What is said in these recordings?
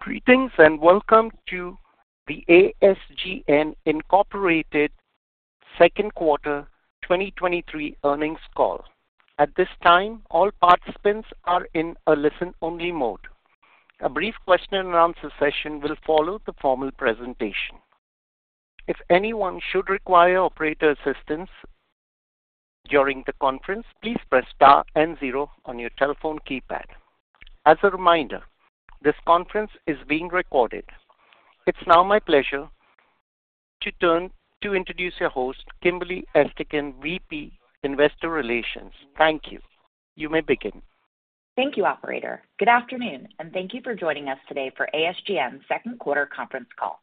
Greetings, welcome to the ASGN Incorporated Second Quarter 2023 earnings call. At this time, all participants are in a listen-only mode. A brief question-and-answer session will follow the formal presentation. If anyone should require operator assistance during the conference, please press star and zero on your telephone keypad. As a reminder, this conference is being recorded. It's now my pleasure to turn to introduce your host, Kimberly Esterkin, VP, Investor Relations. Thank you. You may begin. Thank you, operator. Good afternoon, and thank you for joining us today for ASGN's second quarter conference call.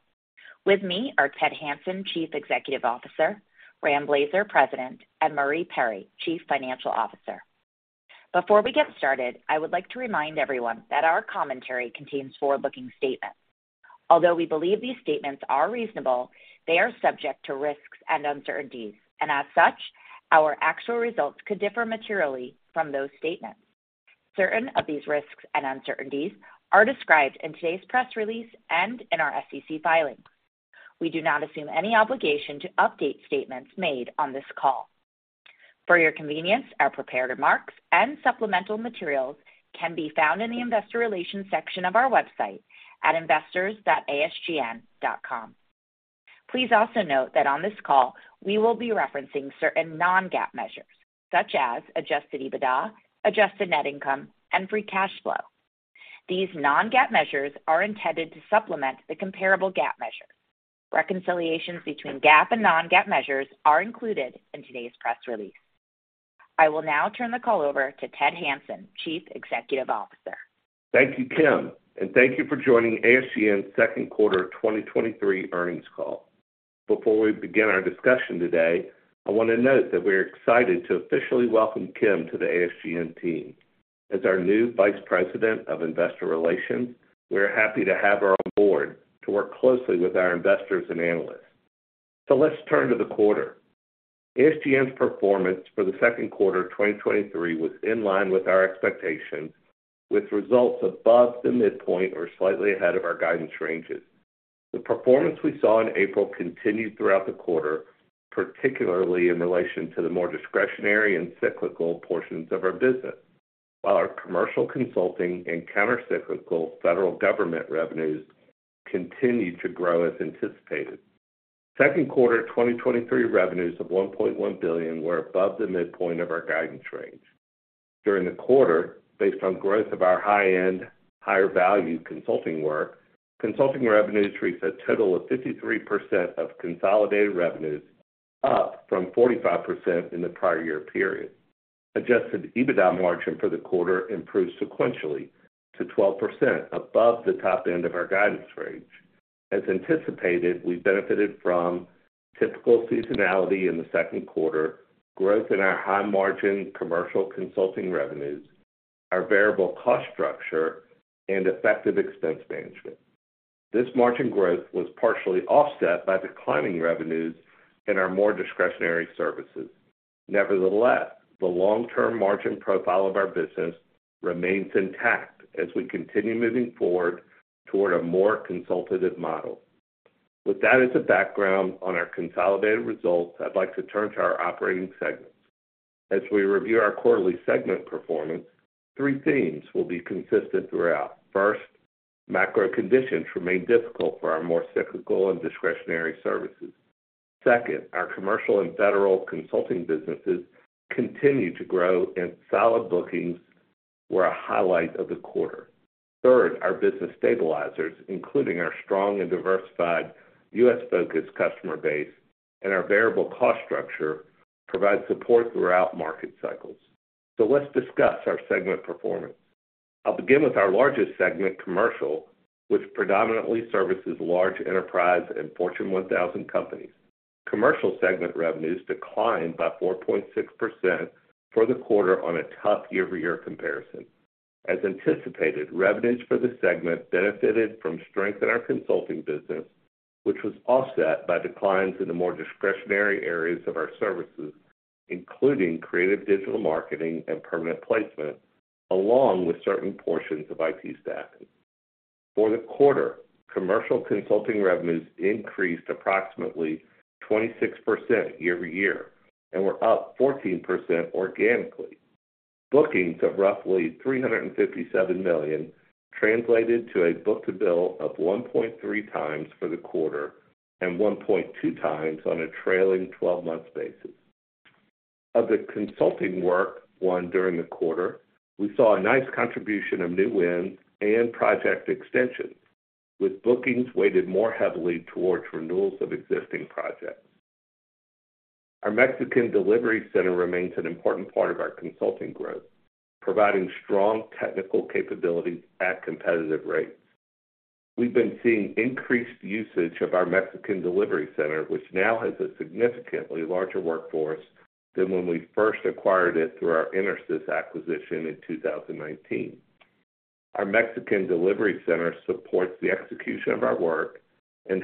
With me are Ted Hanson, Chief Executive Officer, Rand Blazer, President, and Marie Perry, Chief Financial Officer. Before we get started, I would like to remind everyone that our commentary contains forward-looking statements. We believe these statements are reasonable, they are subject to risks and uncertainties, and as such, our actual results could differ materially from those statements. Certain of these risks and uncertainties are described in today's press release and in our SEC filings. We do not assume any obligation to update statements made on this call. For your convenience, our prepared remarks and supplemental materials can be found in the Investor Relations section of our website at investors.asgn.com. Please also note that on this call, we will be referencing certain non-GAAP measures, such as adjusted EBITDA, adjusted net income, and free cash flow. These non-GAAP measures are intended to supplement the comparable GAAP measure. Reconciliations between GAAP and non-GAAP measures are included in today's press release. I will now turn the call over to Ted Hanson, Chief Executive Officer. Thank you, Kim, thank you for joining ASGN's second quarter 2023 earnings call. Before we begin our discussion today, I want to note that we're excited to officially welcome Kim to the ASGN team. As our new Vice President of Investor Relations, we are happy to have her on board to work closely with our investors and analysts. Let's turn to the quarter. ASGN's performance for the second quarter of 2023 was in line with our expectations, with results above the midpoint or slightly ahead of our guidance ranges. The performance we saw in April continued throughout the quarter, particularly in relation to the more discretionary and cyclical portions of our business, while our commercial consulting and countercyclical federal government revenues continued to grow as anticipated. Second quarter 2023 revenues of $1.1 billion were above the midpoint of our guidance range. During the quarter, based on growth of our high-end, higher-value consulting work, consulting revenues reached a total of 53% of consolidated revenues, up from 45% in the prior year period. Adjusted EBITDA margin for the quarter improved sequentially to 12%, above the top end of our guidance range. As anticipated, we benefited from typical seasonality in the second quarter, growth in our high-margin commercial consulting revenues, our variable cost structure, and effective expense management. This margin growth was partially offset by declining revenues in our more discretionary services. Nevertheless, the long-term margin profile of our business remains intact as we continue moving forward toward a more consultative model. With that as a background on our consolidated results, I'd like to turn to our operating segments. As we review our quarterly segment performance, three themes will be consistent throughout. First, macro conditions remain difficult for our more cyclical and discretionary services. Second, our commercial and federal consulting businesses continue to grow, and solid bookings were a highlight of the quarter. Third, our business stabilizers, including our strong and diversified U.S.-focused customer base and our variable cost structure, provide support throughout market cycles. Let's discuss our segment performance. I'll begin with our largest segment, commercial, which predominantly services large enterprise and Fortune 1000 companies. Commercial segment revenues declined by 4.6% for the quarter on a tough year-over-year comparison. As anticipated, revenues for the segment benefited from strength in our consulting business, which was offset by declines in the more discretionary areas of our services, including creative digital marketing and permanent placement, along with certain portions of IT staffing. For the quarter, commercial consulting revenues increased approximately 26% year-over-year and were up 14% organically. Bookings of roughly $357 million translated to a book-to-bill of 1.3 times for the quarter and 1.2 times on a trailing 12-month basis. Of the consulting work won during the quarter, we saw a nice contribution of new wins and project extensions, with bookings weighted more heavily towards renewals of existing projects. Our Mexican delivery center remains an important part of our consulting growth, providing strong technical capabilities at competitive rates. We've been seeing increased usage of our Mexican delivery center, which now has a significantly larger workforce than when we first acquired it through our Intersys acquisition in 2019. Our Mexican delivery center supports the execution of our.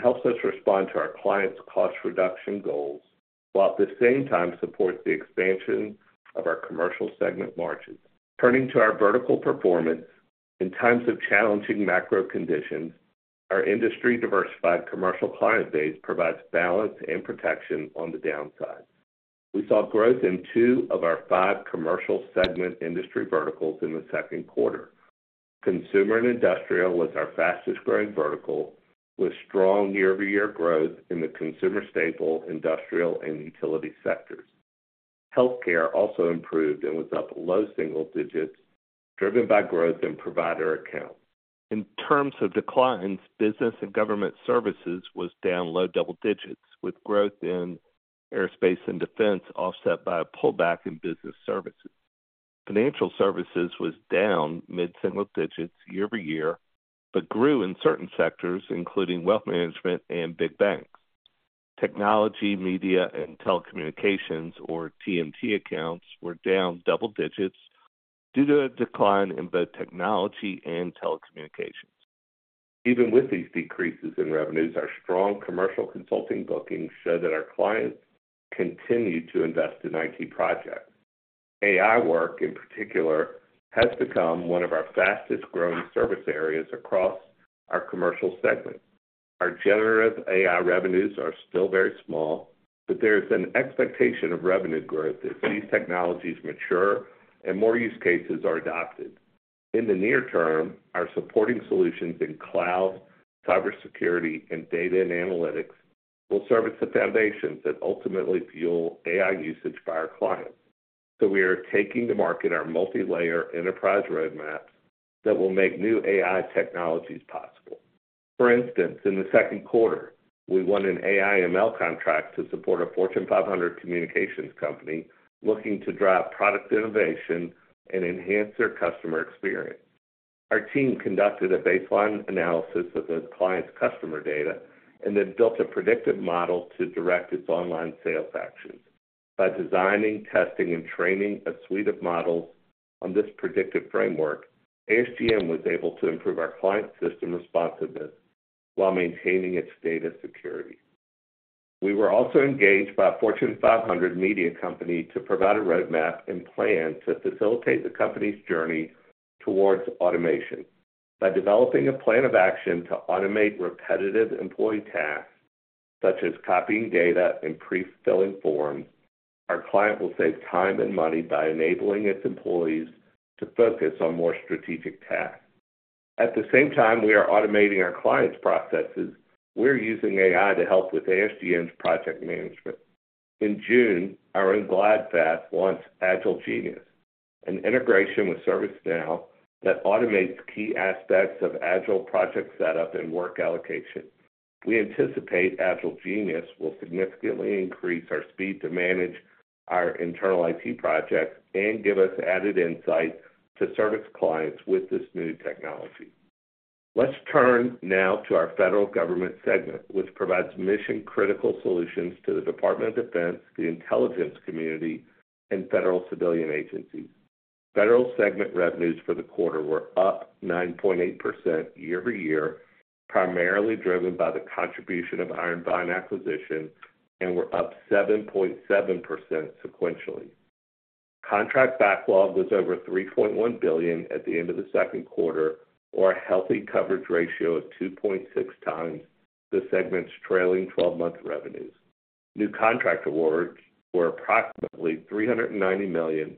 Helps us respond to our clients' cost reduction goals, while at the same time supports the expansion of our commercial segment margins. Turning to our vertical performance, in times of challenging macro conditions, our industry-diversified commercial client base provides balance and protection on the downside. We saw growth in two of our five commercial segment industry verticals in 2Q. Consumer and industrial was our fastest-growing vertical, with strong year-over-year growth in the consumer staple, industrial, and utility sectors. Healthcare also improved and was up low single digits, driven by growth in provider accounts. In terms of declines, business and government services was down low double digits, with growth in aerospace and defense offset by a pullback in business services. Financial services was down mid-single digits year-over-year, but grew in certain sectors, including wealth management and big banks. Technology, media, and telecommunications, or TMT accounts, were down double digits due to a decline in both technology and telecommunications. Even with these decreases in revenues, our strong commercial consulting bookings show that our clients continue to invest in IT projects. AI work, in particular, has become one of our fastest-growing service areas across our commercial segment. Our generative AI revenues are still very small, but there is an expectation of revenue growth as these technologies mature and more use cases are adopted. In the near term, our supporting solutions in cloud, cybersecurity, and data and analytics will serve as the foundations that ultimately fuel AI usage by our clients. We are taking to market our multilayer enterprise roadmap that will make new AI technologies possible. For instance, in the second quarter, we won an AI ML contract to support a Fortune 500 communications company looking to drive product innovation and enhance their customer experience. Our team conducted a baseline analysis of the client's customer data and then built a predictive model to direct its online sales actions. By designing, testing, and training a suite of models on this predictive framework, ASGN was able to improve our client's system responsiveness while maintaining its data security. We were also engaged by a Fortune 500 media company to provide a roadmap and plan to facilitate the company's journey towards automation. By developing a plan of action to automate repetitive employee tasks, such as copying data and pre-filling forms, our client will save time and money by enabling its employees to focus on more strategic tasks. At the same time we are automating our client's processes, we're using AI to help with ASGN's project management. In June, our own GlideFast launched AgileGenius, an integration with ServiceNow that automates key aspects of agile project setup and work allocation. We anticipate AgileGenius will significantly increase our speed to manage our internal IT projects and give us added insight to service clients with this new technology. Let's turn now to our federal government segment, which provides mission-critical solutions to the Department of Defense, the intelligence community, and federal civilian agencies. Federal segment revenues for the quarter were up 9.8% year-over-year, primarily driven by the contribution of Iron Vine acquisition, and were up 7.7% sequentially. Contract backlog was over $3.1 billion at the end of the second quarter, or a healthy coverage ratio of 2.6 times the segment's trailing 12-month revenues. New contract awards were approximately $390 million,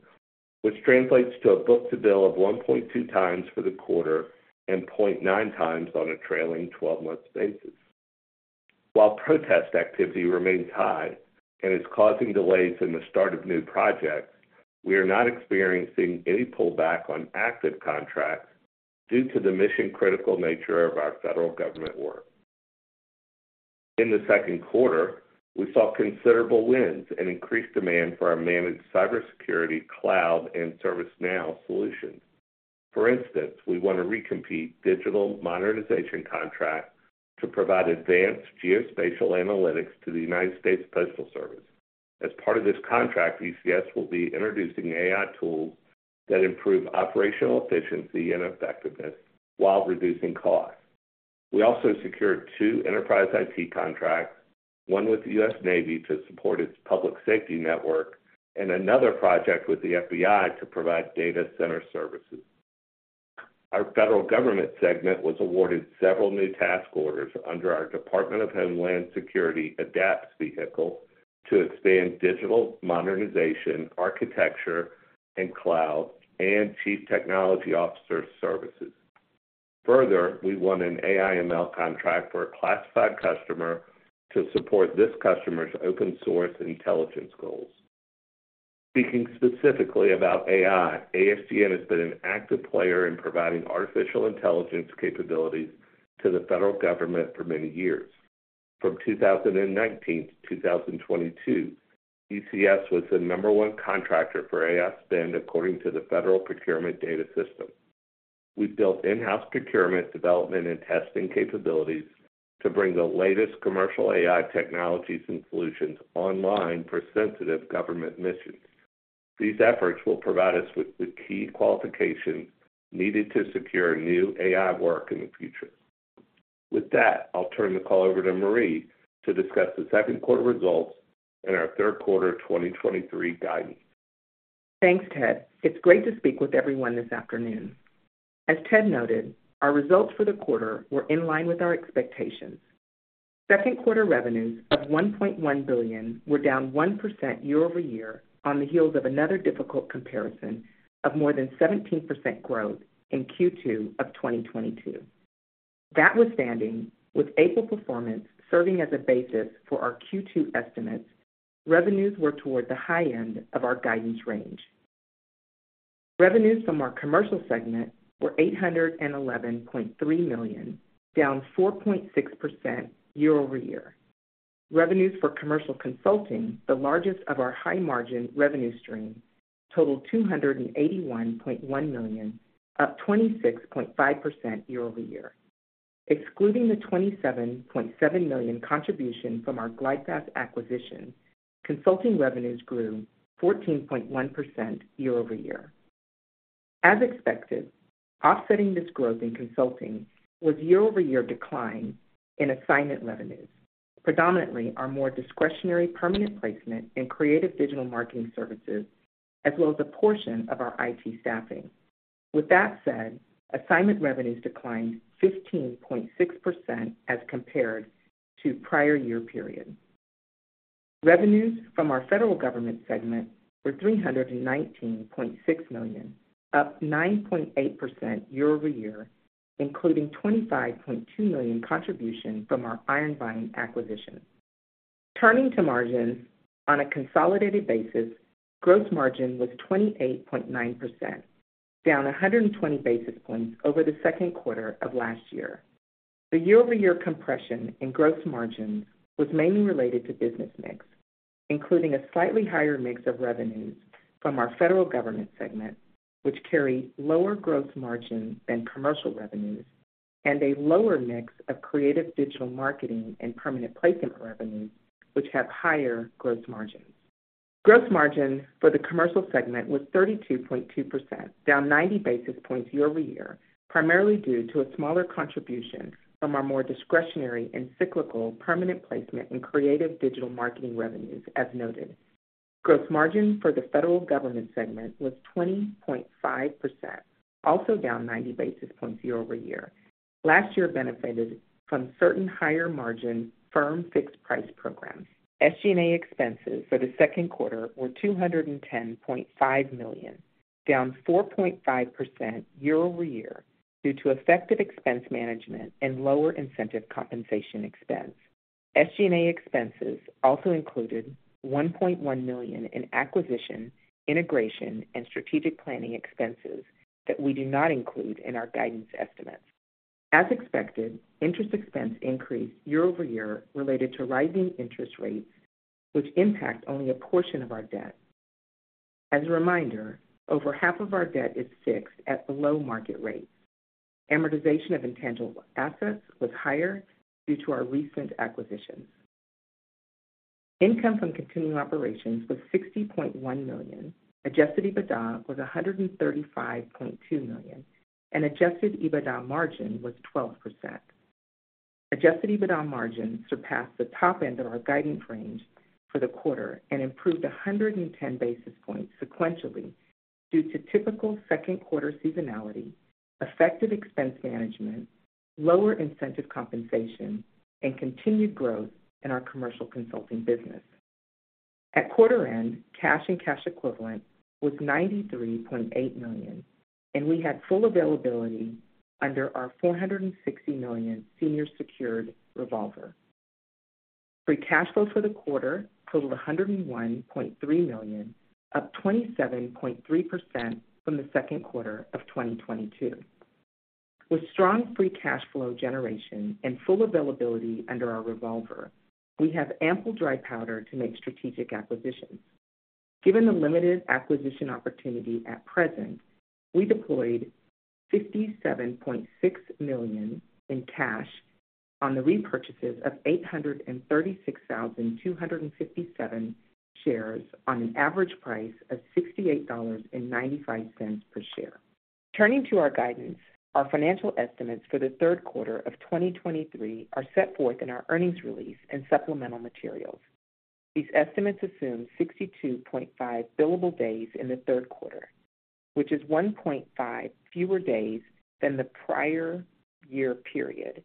which translates to a book-to-bill of 1.2 times for the quarter and 0.9 times on a trailing 12-month basis. While protest activity remains high and is causing delays in the start of new projects, we are not experiencing any pullback on active contracts due to the mission-critical nature of our federal government work. In the second quarter, we saw considerable wins and increased demand for our managed cybersecurity, cloud, and ServiceNow solutions. For instance, we won a recompete digital modernization contract to provide advanced geospatial analytics to the United States Postal Service. As part of this contract, ECS will be introducing AI tools that improve operational efficiency and effectiveness while reducing costs. We also secured two enterprise IT contracts, one with the US Navy to support its public safety network, and another project with the FBI to provide data center services. Our federal government segment was awarded several new task orders under our Department of Homeland Security ADAPTS vehicle to expand digital modernization, architecture, and cloud, and Chief Technology Officer services. We won an AI ML contract for a classified customer to support this customer's open-source intelligence goals. Speaking specifically about AI, ASGN has been an active player in providing artificial intelligence capabilities to the federal government for many years. From 2019 to 2022, ECS was the number 1 contractor for AI spend, according to the Federal Procurement Data System. We've built in-house procurement, development, and testing capabilities to bring the latest commercial AI technologies and solutions online for sensitive government missions. These efforts will provide us with the key qualifications needed to secure new AI work in the future. With that, I'll turn the call over to Marie to discuss the second quarter results and our third quarter 2023 guidance. Thanks, Ted. It's great to speak with everyone this afternoon. As Ted noted, our results for the quarter were in line with our expectations. Second quarter revenues of $1.1 billion were down 1% year-over-year on the heels of another difficult comparison of more than 17% growth in Q2 of 2022. That withstanding, with April performance serving as a basis for our Q2 estimates, revenues were toward the high end of our guidance range. Revenues from our commercial segment were $811.3 million, down 4.6% year-over-year. Revenues for commercial consulting, the largest of our high-margin revenue stream, totaled $281.1 million, up 26.5% year-over-year. Excluding the $27.7 million contribution from our GlideFast acquisition, consulting revenues grew 14.1% year-over-year. As expected, offsetting this growth in consulting was year-over-year decline in assignment revenues, predominantly our more discretionary permanent placement and creative digital marketing services, as well as a portion of our IT staffing. With that said, assignment revenues declined 15.6% as compared to prior year period. Revenues from our federal government segment were $319.6 million, up 9.8% year-over-year, including $25.2 million contribution from our Iron Vine acquisition. Turning to margins, on a consolidated basis, gross margin was 28.9%, down 120 basis points over the second quarter of last year. The year-over-year compression in gross margins was mainly related to business mix, including a slightly higher mix of revenues from our federal government segment, which carry lower gross margin than commercial revenues, and a lower mix of creative digital marketing and permanent placement revenues, which have higher gross margins. Gross margin for the commercial segment was 32.2%, down 90 basis points year-over-year, primarily due to a smaller contribution from our more discretionary and cyclical permanent placement in creative digital marketing revenues as noted. Gross margin for the federal government segment was 20.5%, also down 90 basis points year-over-year. Last year benefited from certain higher-margin firm fixed price programs. SG&A expenses for the second quarter were $210.5 million, down 4.5% year-over-year, due to effective expense management and lower incentive compensation expense. SG&A expenses also included $1.1 million in acquisition, integration, and strategic planning expenses that we do not include in our guidance estimates. As expected, interest expense increased year-over-year related to rising interest rates, which impact only a portion of our debt. As a reminder, over half of our debt is fixed at below-market rate. Amortization of intangible assets was higher due to our recent acquisitions. Income from continuing operations was $60.1 million. Adjusted EBITDA was $135.2 million, and adjusted EBITDA margin was 12%. Adjusted EBITDA margin surpassed the top end of our guidance range for the quarter and improved 110 basis points sequentially due to typical second quarter seasonality, effective expense management, lower incentive compensation, and continued growth in our commercial consulting business. At quarter end, cash and cash equivalents was $93.8 million, and we had full availability under our $460 million senior secured revolver. Free cash flow for the quarter totaled $101.3 million, up 27.3% from the second quarter of 2022. With strong free cash flow generation and full availability under our revolver, we have ample dry powder to make strategic acquisitions. Given the limited acquisition opportunity at present, we deployed $57.6 million in cash on the repurchases of 836,257 shares on an average price of $68.95 per share. Turning to our guidance, our financial estimates for the third quarter of 2023 are set forth in our earnings release and supplemental materials. These estimates assume 62.5 billable days in the third quarter, which is 1.5 fewer days than the prior year period,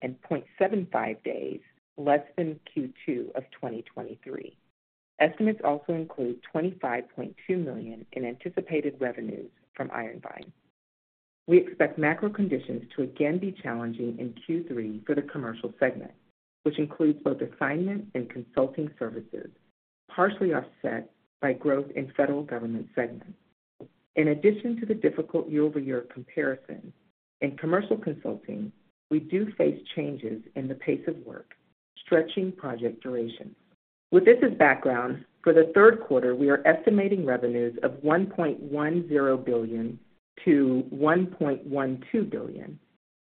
and 0.75 days less than Q2 of 2023. Estimates also include $25.2 million in anticipated revenues from IronVine. We expect macro conditions to again be challenging in Q3 for the commercial segment, which includes both assignment and consulting services, partially offset by growth in federal government segment. In addition to the difficult year-over-year comparison, in commercial consulting, we do face changes in the pace of work, stretching project duration. With this as background, for the third quarter, we are estimating revenues of $1.10 billion-$1.12 billion.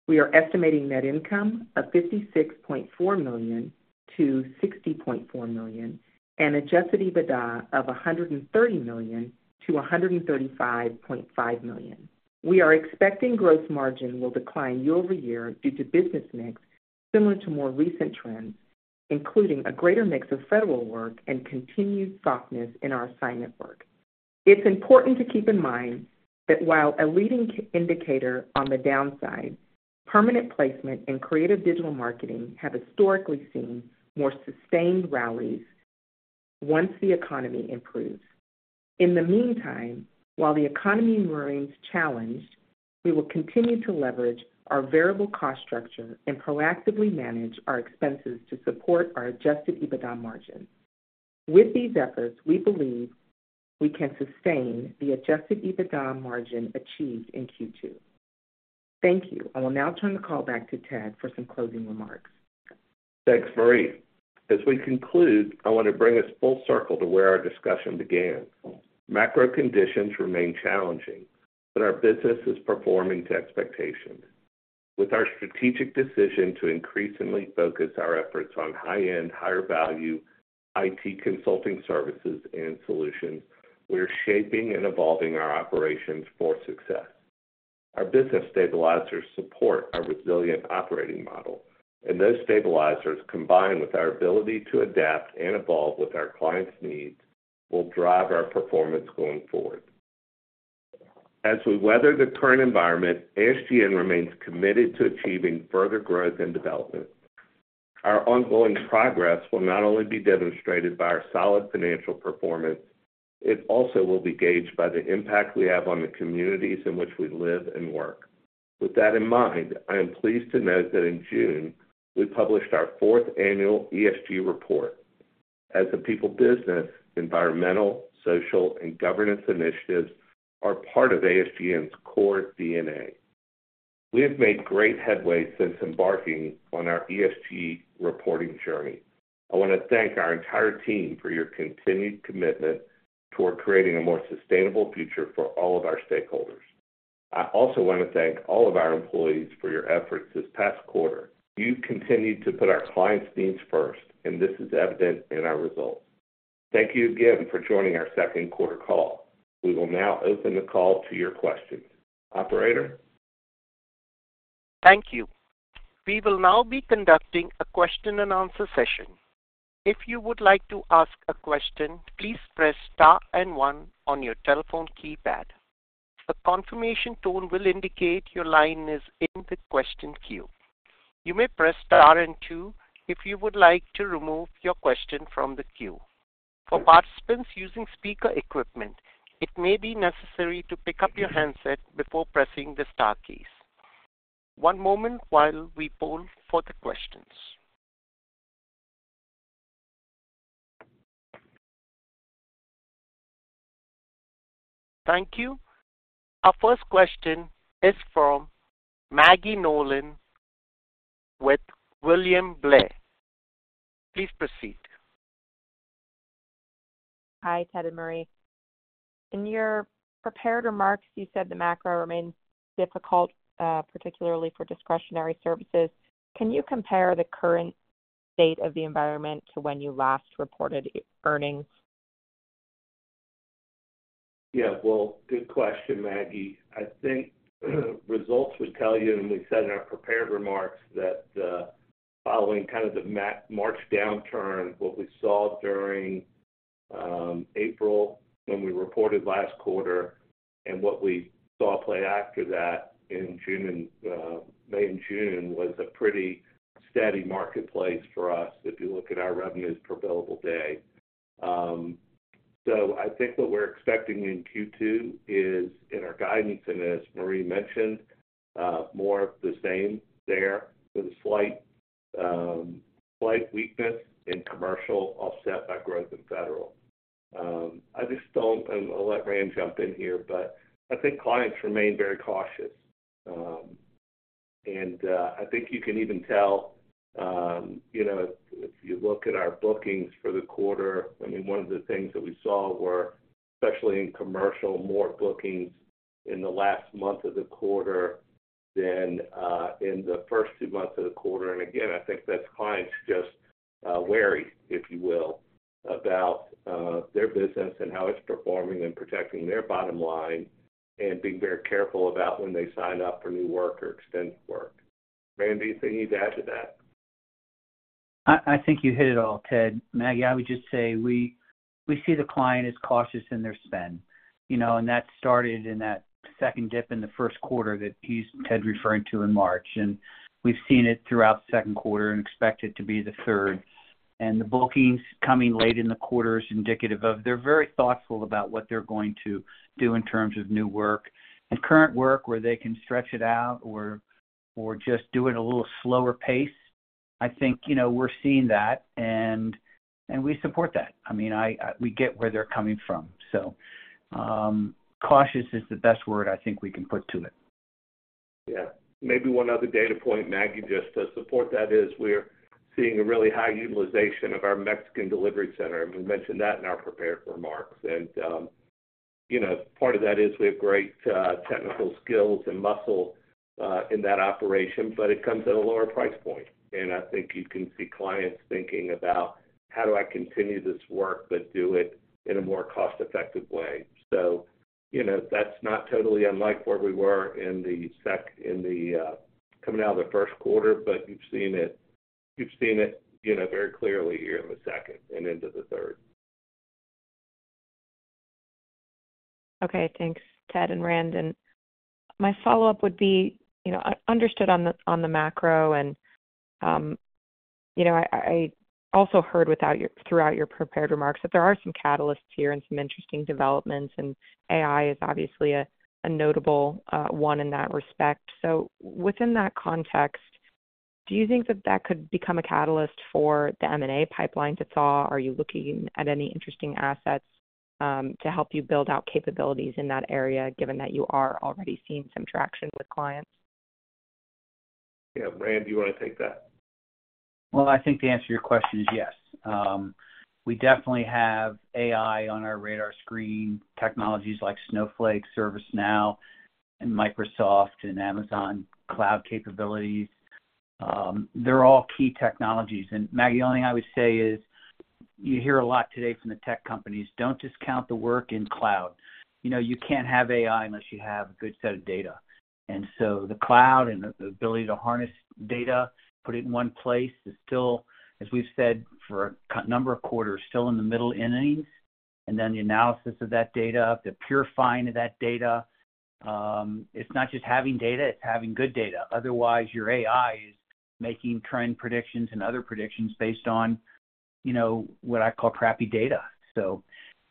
We are estimating net income of $56.4 million-$60.4 million, adjusted EBITDA of $130 million-$135.5 million. We are expecting gross margin will decline year-over-year due to business mix, similar to more recent trends, including a greater mix of federal work and continued softness in our assignment work. It's important to keep in mind that while a leading indicator on the downside, permanent placement and creative digital marketing have historically seen more sustained rallies once the economy improves. In the meantime, while the economy remains challenged, we will continue to leverage our variable cost structure and proactively manage our expenses to support our adjusted EBITDA margins. With these efforts, we believe we can sustain the adjusted EBITDA margin achieved in Q2. Thank you. I will now turn the call back to Ted for some closing remarks. Thanks, Marie. As we conclude, I want to bring us full circle to where our discussion began. Macro conditions remain challenging, our business is performing to expectation. With our strategic decision to increasingly focus our efforts on high-end, higher-value IT consulting services and solutions, we are shaping and evolving our operations for success. Our business stabilizers support our resilient operating model, those stabilizers, combined with our ability to adapt and evolve with our clients' needs, will drive our performance going forward. As we weather the current environment, ASGN remains committed to achieving further growth and development. Our ongoing progress will not only be demonstrated by our solid financial performance, it also will be gauged by the impact we have on the communities in which we live and work. With that in mind, I am pleased to note that in June, we published our fourth annual ESG report. As a people business, environmental, social, and governance initiatives are part of ASGN's core DNA. We have made great headway since embarking on our ESG reporting journey. I want to thank our entire team for your continued commitment toward creating a more sustainable future for all of our stakeholders. I also want to thank all of our employees for your efforts this past quarter. You continued to put our clients' needs first. This is evident in our results. Thank you again for joining our second quarter call. We will now open the call to your questions. Operator? Thank you. We will now be conducting a question-and-answer session. If you would like to ask a question, please press star and one on your telephone keypad. A confirmation tone will indicate your line is in the question queue. You may press star and two if you would like to remove your question from the queue. For participants using speaker equipment, it may be necessary to pick up your handset before pressing the star keys. One moment while we poll for the questions. Thank you. Our first question is from Maggie Nolan with William Blair. Please proceed. Hi, Ted and Marie. In your prepared remarks, you said the macro remains difficult, particularly for discretionary services. Can you compare the current state of the environment to when you last reported earnings? Yeah, well, good question, Maggie. I think, the results would tell you, and we said in our prepared remarks, that, following kind of the March downturn, what we saw during April, when we reported last quarter, and what we saw play after that in June and May and June, was a pretty steady marketplace for us, if you look at our revenues per billable day. I think what we're expecting in Q2 is in our guidance, and as Marie mentioned, more of the same there, with a slight weakness in commercial offset by growth in federal. I just don't. I'll let Rand jump in here, but I think clients remain very cautious. I think you can even tell, you know, if you look at our bookings for the quarter, I mean, one of the things that we saw were, especially in commercial, more bookings in the last month of the quarter than, in the first two months of the quarter. Again, I think that's clients just wary, if you will, about their business and how it's performing and protecting their bottom line and being very careful about when they sign up for new work or extend work. Randy, anything you'd add to that? I think you hit it all, Ted. Maggie, I would just say we see the client is cautious in their spend, you know, and that started in that second dip in the first quarter that Ted referring to in March. We've seen it throughout the second quarter and expect it to be the third. The bookings coming late in the quarter is indicative of they're very thoughtful about what they're going to do in terms of new work and current work, where they can stretch it out or just do it a little slower pace. I think, you know, we're seeing that, and we support that. I mean, I, we get where they're coming from. Cautious is the best word I think we can put to it. Yeah. Maybe one other data point, Maggie, just to support that, is we're seeing a really high utilization of our Mexican delivery center, and we mentioned that in our prepared remarks. You know, part of that is we have great technical skills and muscle in that operation, but it comes at a lower price point. I think you can see clients thinking about: How do I continue this work, but do it in a more cost-effective way? You know, that's not totally unlike where we were in the coming out of the first quarter, but you've seen it, you know, very clearly here in the second and into the third. Okay, thanks, Ted and Rand. My follow-up would be, you know, understood on the, on the macro and, you know, I also heard throughout your prepared remarks that there are some catalysts here and some interesting developments, and AI is obviously a notable one in that respect. Within that context, do you think that that could become a catalyst for the M&A pipeline that saw? Are you looking at any interesting assets to help you build out capabilities in that area, given that you are already seeing some traction with clients? Yeah. Randy, do you want to take that? Well, I think the answer to your question is yes. We definitely have AI on our radar screen, technologies like Snowflake, ServiceNow, and Microsoft and Amazon cloud capabilities. They're all key technologies. Maggie, the only thing I would say is, you hear a lot today from the tech companies, don't discount the work in cloud. You know, you can't have AI unless you have a good set of data. The cloud and the ability to harness data, put it in one place, is still, as we've said, for a number of quarters, still in the middle innings, and then the analysis of that data, the purifying of that data. It's not just having data, it's having good data. Otherwise, your AI is making trend predictions and other predictions based on, you know, what I call crappy data.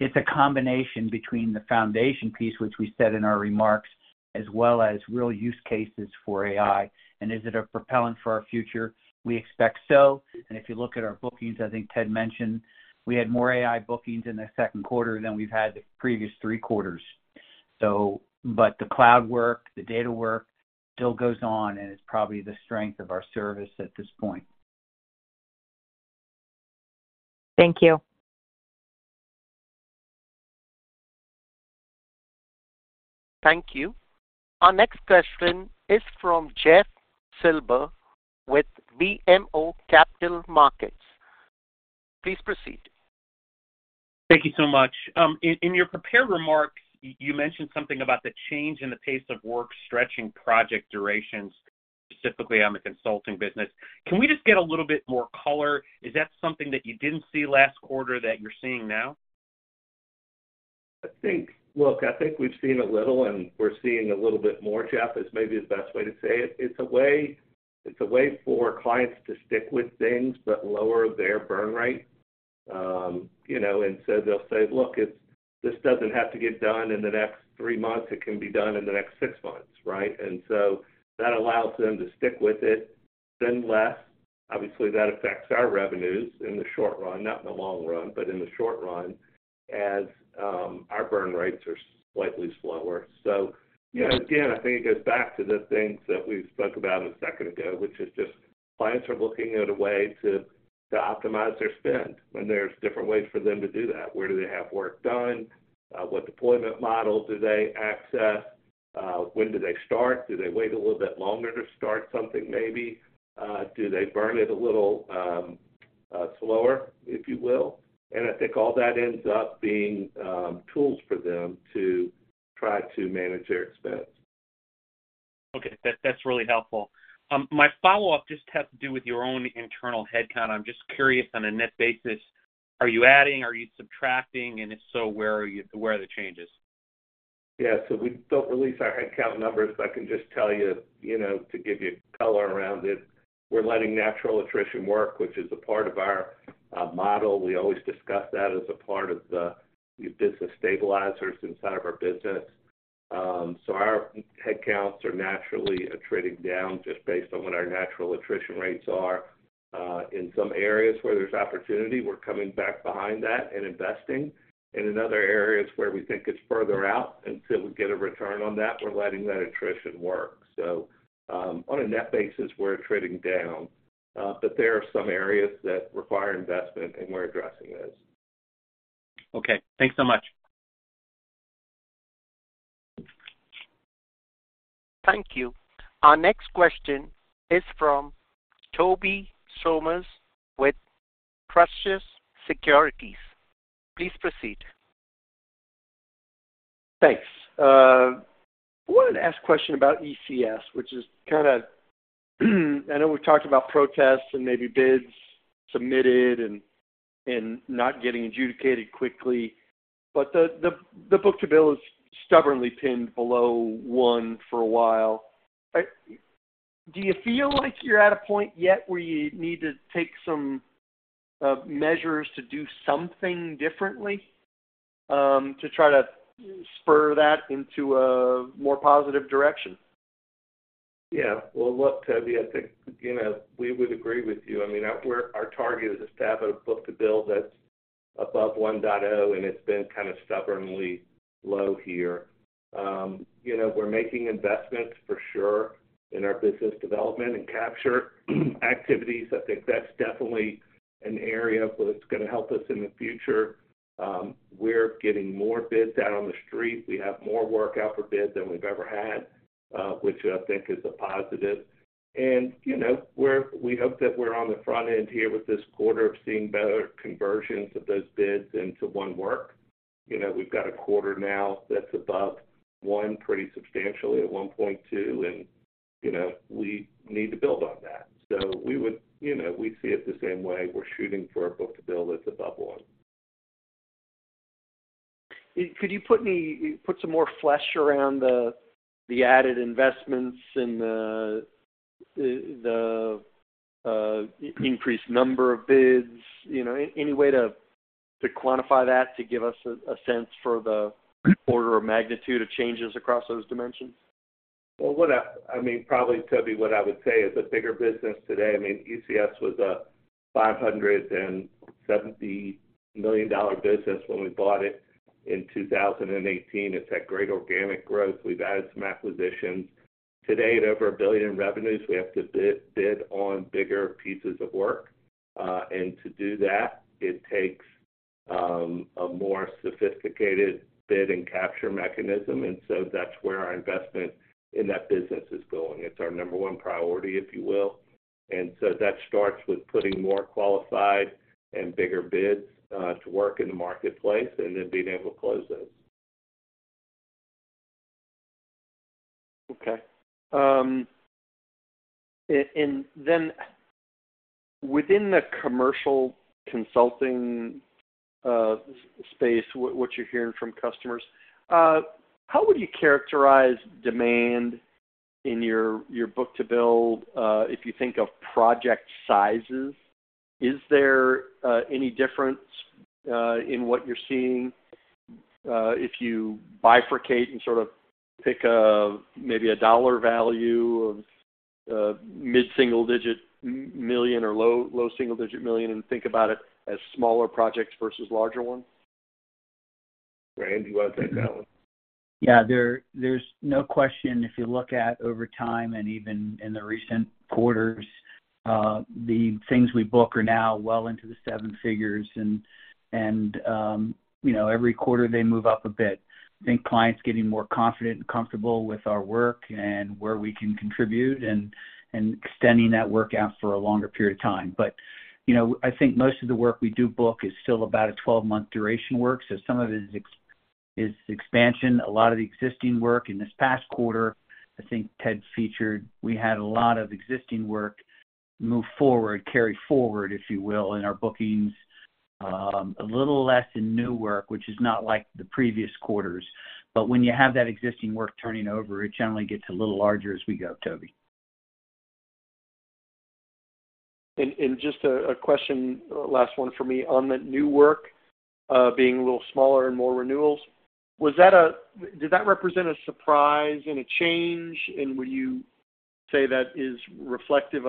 It's a combination between the foundation piece, which we said in our remarks, as well as real use cases for AI. Is it a propellant for our future? We expect so. If you look at our bookings, I think Ted mentioned we had more AI bookings in the second quarter than we've had the previous three quarters. The cloud work, the data work still goes on, and it's probably the strength of our service at this point. Thank you. Thank you. Our next question is from Jeff Silber, with BMO Capital Markets. Please proceed. Thank you so much. In your prepared remarks, you mentioned something about the change in the pace of work stretching project durations, specifically on the consulting business. Can we just get a little bit more color? Is that something that you didn't see last quarter that you're seeing now? I think look, I think we've seen a little, and we're seeing a little bit more, Jeff, is maybe the best way to say it. It's a way, it's a way for clients to stick with things but lower their burn rate. You know, they'll say: Look, this doesn't have to get done in the next three months. It can be done in the next six months, right? That allows them to stick with it, spend less. Obviously, that affects our revenues in the short run, not in the long run, but in the short run, as our burn rates are slightly slower. You know, again, I think it goes back to the things that we spoke about a second ago, which is just clients are looking at a way to optimize their spend when there's different ways for them to do that. Where do they have work done? What deployment model do they access? When do they start? Do they wait a little bit longer to start something, maybe? Do they burn it a little slower, if you will? I think all that ends up being tools for them to try to manage their expense. Okay, that's really helpful. My follow-up just has to do with your own internal headcount. I'm just curious, on a net basis, are you adding, are you subtracting? If so, where are the changes? Yeah, we don't release our headcount numbers, but I can just tell you know, to give you color around it, we're letting natural attrition work, which is a part of our model. We always discuss that as a part of the business stabilizers inside of our business. Our headcounts are naturally attriting down just based on what our natural attrition rates are. In some areas where there's opportunity, we're coming back behind that and investing. In other areas where we think it's further out until we get a return on that, we're letting that attrition work. On a net basis, we're attriting down, but there are some areas that require investment, and we're addressing those. Okay, thanks so much. Thank you. Our next question is from Tobey Sommer with Truist Securities. Please proceed. Thanks. I wanted to ask a question about ECS, which is kind of, I know we've talked about protests and maybe bids submitted and not getting adjudicated quickly, but the book-to-bill is stubbornly pinned below 1 for a while. Do you feel like you're at a point yet where you need to take some measures to do something differently, to try to spur that into a more positive direction? Well, look, Toby, I think, you know, we would agree with you. I mean, our target is to have a book-to-bill that's above 1.0, and it's been kind of stubbornly low here. You know, we're making investments for sure in our business development and capture activities. I think that's definitely an area where it's gonna help us in the future. We're getting more bids out on the street. We have more work out for bids than we've ever had, which I think is a positive. You know, we hope that we're on the front end here with this quarter of seeing better conversions of those bids into won work. You know, we've got a quarter now that's above 1 pretty substantially at 1.2, and, you know, we need to build on that. We would, you know, we see it the same way. We're shooting for a book-to-bill that's above one. Could you put some more flesh around the added investments and the increased number of bids? You know, any way to quantify that, to give us a sense for the order of magnitude of changes across those dimensions? Well, what I mean, probably, Toby, what I would say is a bigger business today, I mean, ECS was a $570 million business when we bought it in 2018. It's had great organic growth. We've added some acquisitions. Today, at over $1 billion in revenues, we have to bid on bigger pieces of work. To do that, it takes a more sophisticated bid and capture mechanism, that's where our investment in that business is going. It's our number one priority, if you will. That starts with putting more qualified and bigger bids to work in the marketplace and then being able to close those. Okay. Then within the commercial consulting space, what you're hearing from customers, how would you characterize demand in your book-to-bill, if you think of project sizes? Is there any difference in what you're seeing, if you bifurcate and sort of pick a maybe a dollar value of mid-single digit million or low single digit million, and think about it as smaller projects versus larger ones? Randy, you want to take that one? There's no question. If you look at over time, and even in the recent quarters, the things we book are now well into the seven figures and, you know, every quarter they move up a bit. I think clients getting more confident and comfortable with our work and where we can contribute and extending that work out for a longer period of time. You know, I think most of the work we do book is still about a 12-month duration work, so some of it is expansion. A lot of the existing work in this past quarter, I think Ted featured, we had a lot of existing work move forward, carry forward, if you will, in our bookings. A little less in new work, which is not like the previous quarters, but when you have that existing work turning over, it generally gets a little larger as we go, Tobey. Just a question, last one for me. On the new work, being a little smaller and more renewals, was that did that represent a surprise and a change, and would you say that is reflective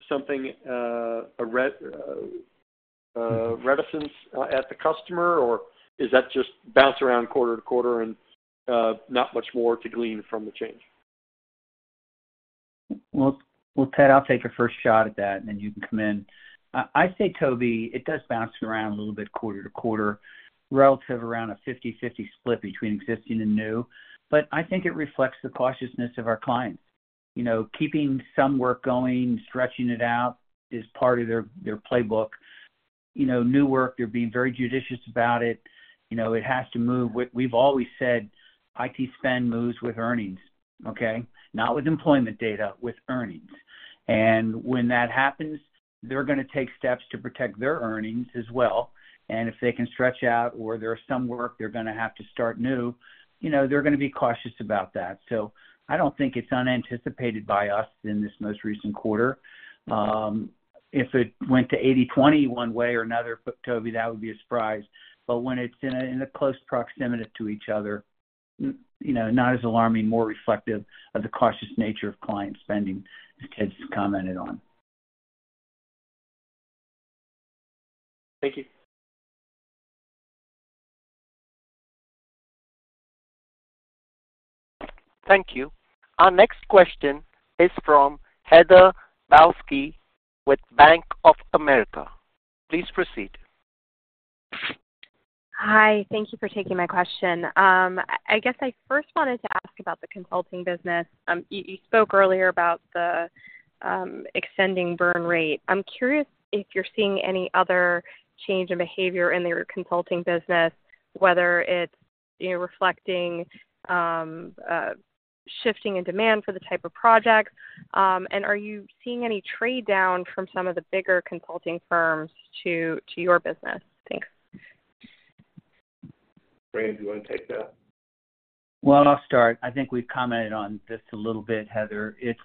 of something, a reticence at the customer, or is that just bounce around quarter to quarter and not much more to glean from the change? Well, well, Ted, I'll take a first shot at that, then you can come in. I'd say, Toby, it does bounce around a little bit quarter to quarter, relative around a 50/50 split between existing and new, I think it reflects the cautiousness of our clients. You know, keeping some work going, stretching it out is part of their playbook. You know, new work, they're being very judicious about it. It has to move. We've always said IT spend moves with earnings, okay? Not with employment data, with earnings. When that happens, they're gonna take steps to protect their earnings as well. If they can stretch out or there are some work they're gonna have to start new, you know, they're gonna be cautious about that. I don't think it's unanticipated by us in this most recent quarter. If it went to 80/20 one way or another, Tobey, that would be a surprise. When it's in a, in a close proximity to each other, you know, not as alarming, more reflective of the cautious nature of client spending, as Ted's commented on. Thank you. Thank you. Our next question is from Heather Balsky with Bank of America. Please proceed. Hi, thank you for taking my question. I guess I first wanted to ask about the consulting business. You spoke earlier about the extending burn rate. I'm curious if you're seeing any other change in behavior in your consulting business, whether it's, you know, reflecting shifting in demand for the type of projects. Are you seeing any trade-down from some of the bigger consulting firms to your business? Thanks. Randy, do you want to take that? Well, I'll start. I think we've commented on this a little bit, Heather. It's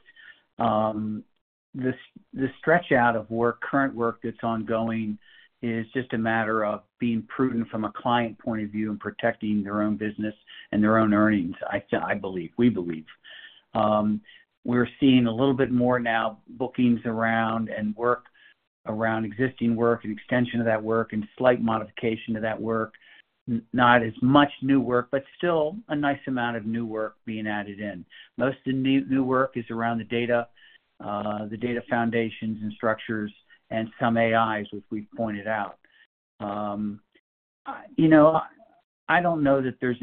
this stretch out of work, current work that's ongoing is just a matter of being prudent from a client point of view and protecting their own business and their own earnings, I believe, we believe. We're seeing a little bit more now, bookings around and work around existing work and extension of that work, and slight modification to that work. Not as much new work, still a nice amount of new work being added in. Most of the new work is around the data, the data foundations and structures, and some AIs, which we've pointed out. You know, I don't know that there's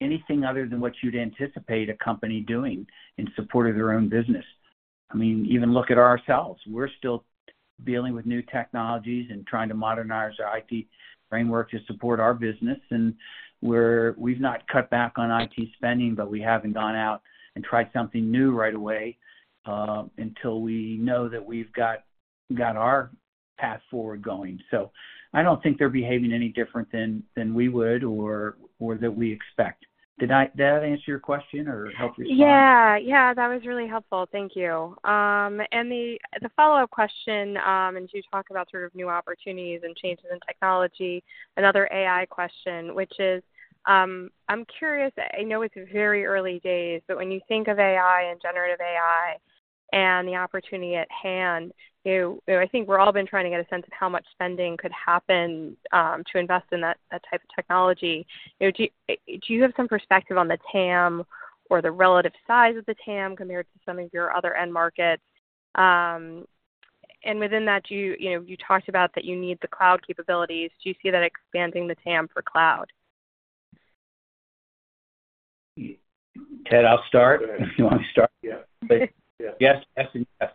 anything other than what you'd anticipate a company doing in support of their own business. I mean, even look at ourselves. We're still dealing with new technologies and trying to modernize our IT framework to support our business. We've not cut back on IT spending. We haven't gone out and tried something new right away, until we know that we've got our path forward going. I don't think they're behaving any different than we would or that we expect. Did that answer your question or help you respond? Yeah. Yeah, that was really helpful. Thank you. The follow-up question, and you talk about sort of new opportunities and changes in technology, another AI question, which is, I'm curious. I know it's very early days, but when you think of AI and generative AI and the opportunity at hand, you know, I think we're all been trying to get a sense of how much spending could happen to invest in that type of technology. You know, do you have some perspective on the TAM or the relative size of the TAM compared to some of your other end markets? Within that, do you know, you talked about that you need the cloud capabilities. Do you see that expanding the TAM for cloud? Ted, I'll start. Do you want me to start? Yeah. Yes, yes, and yes.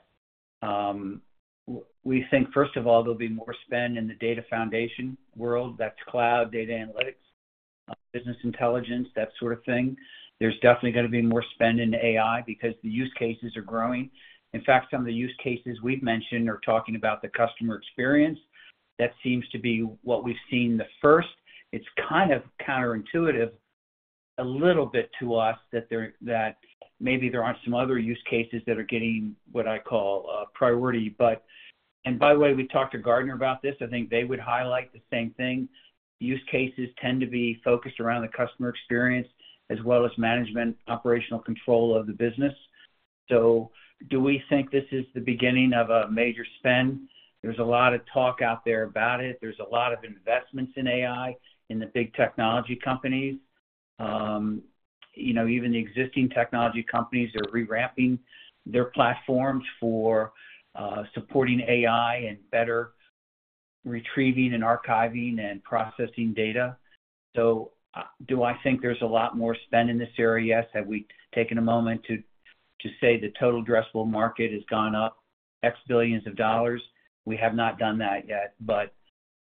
We think, first of all, there'll be more spend in the data foundation world. That's cloud, data analytics, business intelligence, that sort of thing. There's definitely gonna be more spend in AI because the use cases are growing. In fact, some of the use cases we've mentioned are talking about the customer experience. That seems to be what we've seen the first. It's kind of counterintuitive, a little bit to us, that maybe there aren't some other use cases that are getting, what I call, priority. By the way, we talked to Gartner about this. I think they would highlight the same thing. Use cases tend to be focused around the customer experience as well as management, operational control of the business. Do we think this is the beginning of a major spend? There's a lot of talk out there about it. There's a lot of investments in AI, in the big technology companies. you know, even the existing technology companies are rewrapping their platforms for supporting AI and better retrieving and archiving and processing data. Do I think there's a lot more spend in this area? Yes. Have we taken a moment to say the total addressable market has gone up X billions of dollars? We have not done that yet,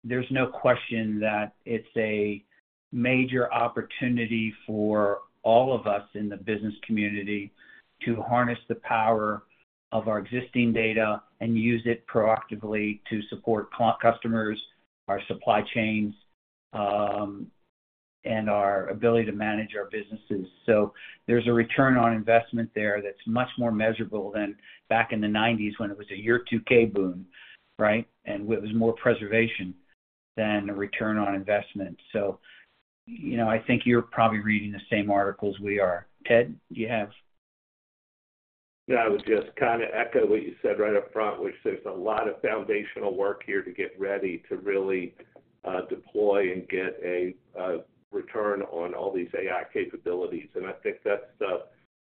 There's no question that it's a major opportunity for all of us in the business community to harness the power of our existing data and use it proactively to support customers, our supply chains, and our ability to manage our businesses. There's a return on investment there that's much more measurable than back in the 90s, when it was a Y2K boom, right? It was more preservation than a return on investment. You know, I think you're probably reading the same articles we are. Ted, do you have? Yeah, I would just kinda echo what you said right up front, which there's a lot of foundational work here to get ready to really deploy and get a return on all these AI capabilities. I think that's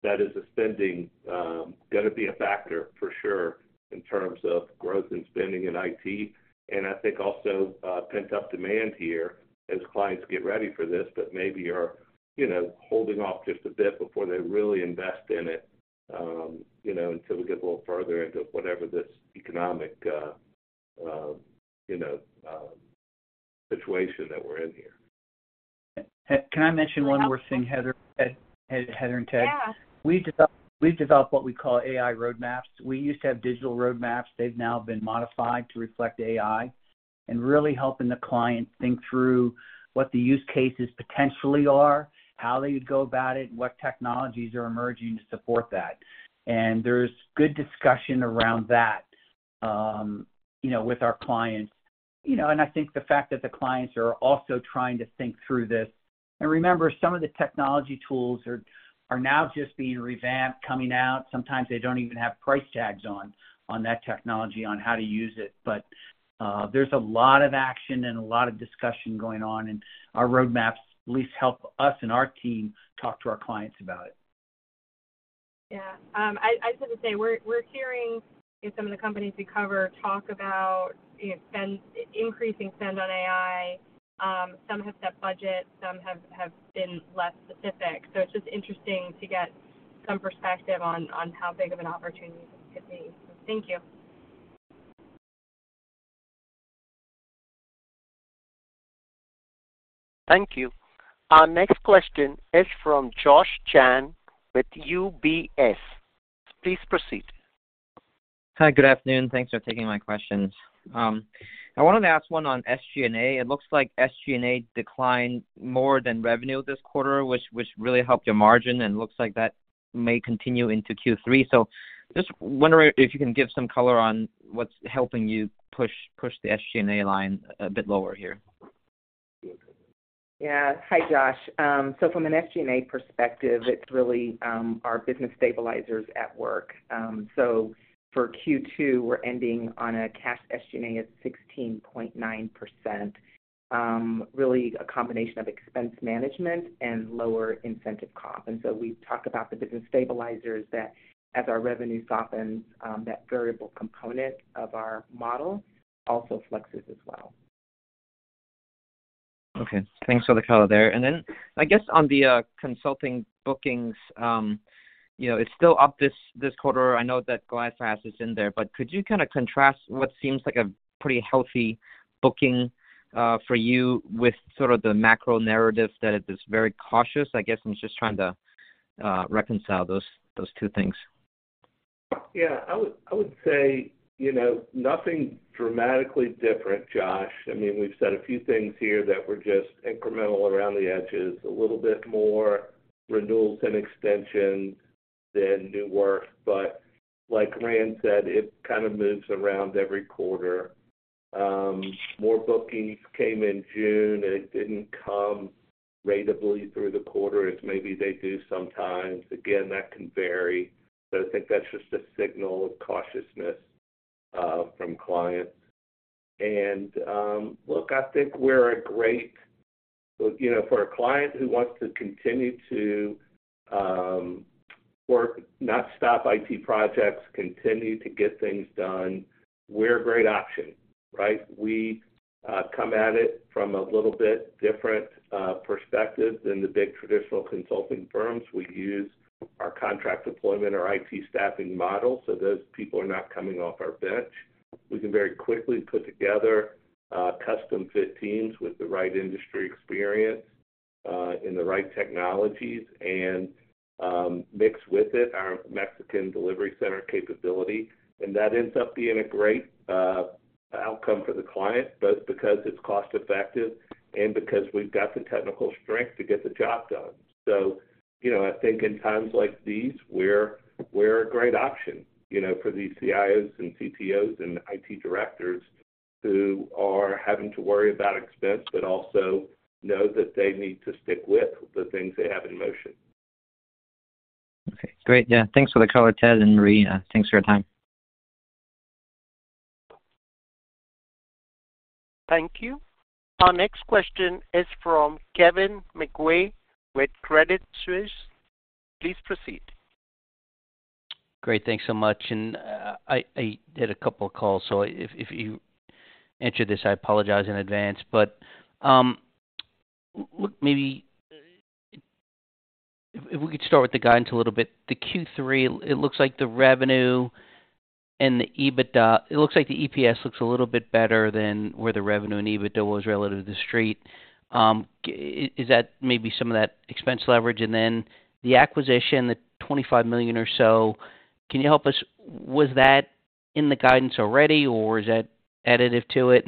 that is a spending gonna be a factor for sure in terms of growth and spending in IT. I think also pent-up demand here as clients get ready for this, but maybe are, you know, holding off just a bit before they really invest in it, you know, until we get a little further into whatever this economic, you know, situation that we're in here. Can I mention one more thing, Heather and Ted? Yeah. We've developed what we call AI roadmaps. We used to have digital roadmaps. They've now been modified to reflect AI and really helping the client think through what the use cases potentially are, how they would go about it, and what technologies are emerging to support that. There's good discussion around that, you know, with our clients. You know, I think the fact that the clients are also trying to think through this. Remember, some of the technology tools are now just being revamped, coming out. Sometimes they don't even have price tags on that technology, on how to use it. There's a lot of action and a lot of discussion going on, and our roadmaps at least help us and our team talk to our clients about it. Yeah. I just wanna say we're hearing in some of the companies we cover talk about, you know, increasing spend on AI. Some have set budgets, some have been less specific. It's just interesting to get some perspective on how big of an opportunity this could be. Thank you. Thank you. Our next question is from Josh Chan with UBS. Please proceed. Hi, good afternoon. Thanks for taking my questions. I wanted to ask one on SG&A. It looks like SG&A declined more than revenue this quarter, which really helped your margin, and looks like that may continue into Q3. Just wondering if you can give some color on what's helping you push the SG&A line a bit lower here? Yeah. Hi, Josh. From an SG&A perspective, it's really our business stabilizers at work. For Q2, we're ending on a cash SG&A of 16.9%. Really a combination of expense management and lower incentive comp. We've talked about the business stabilizers that as our revenue softens, that variable component of our model also flexes as well. Okay. Thanks for the color there. I guess on the consulting bookings, you know, it's still up this quarter. I know that GlideFast is in there, but could you kind of contrast what seems like a pretty healthy booking for you with sort of the macro narrative that it is very cautious? I guess I'm just trying to reconcile those two things. I would say, you know, nothing dramatically different, Josh. I mean, we've said a few things here that were just incremental around the edges, a little bit more renewals and extensions than new work. Like Rand said, it kind of moves around every quarter. More bookings came in June, and it didn't come ratably through the quarter as maybe they do sometimes. Again, that can vary, but I think that's just a signal of cautiousness from clients. Look, I think, you know, for a client who wants to continue to work, not stop IT projects, continue to get things done, we're a great option, right? We come at it from a little bit different perspective than the big traditional consulting firms. We use our contract deployment or IT staffing model, so those people are not coming off our bench. We can very quickly put together custom-fit teams with the right industry experience in the right technologies and mix with it our Mexican delivery center capability. That ends up being a great outcome for the client, both because it's cost-effective and because we've got the technical strength to get the job done. You know, I think in times like these, we're a great option, you know, for these CIOs and CTOs and IT directors who are having to worry about expense, but also know that they need to stick with the things they have in motion. Okay, great. Yeah, thanks for the color, Ted and Marie. Thanks for your time. Thank you. Our next question is from Kevin McVeigh with Credit Suisse. Please proceed. Great. Thanks so much. I did a couple of calls, so if you answer this, I apologize in advance. Look, maybe if we could start with the guidance a little bit. The Q3, it looks like the revenue and the EBITDA, it looks like the EPS looks a little bit better than where the revenue and EBITDA was relative to the street. Is that maybe some of that expense leverage? The acquisition, the $25 million or so, can you help us? Was that in the guidance already, or is that additive to it?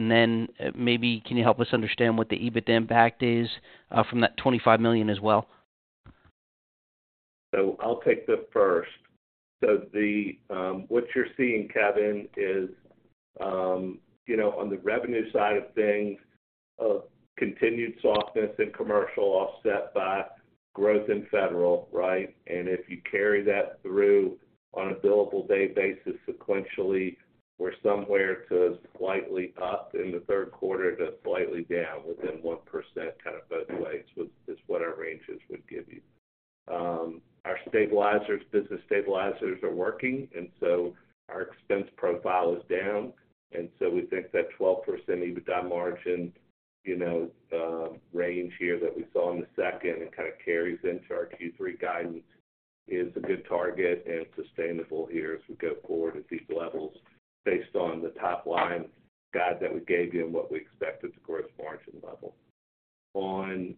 Maybe can you help us understand what the EBITDA impact is from that $25 million as well? I'll take the first. The what you're seeing, Kevin, is, you know, on the revenue side of things, a continued softness in commercial offset by growth in Federal, right? If you carry that through on a billable day basis, sequentially, we're somewhere to slightly up in the third quarter to slightly down, within 1%, kind of both ways, which is what our ranges would give you. Our stabilizers, business stabilizers are working, and so our expense profile is down, and so we think that 12% EBITDA margin, you know, range here that we saw in the second and kind of carries into our Q3 guidance is a good target and sustainable here as we go forward at these levels, based on the top-line guide that we gave you and what we expect at the gross margin level. On,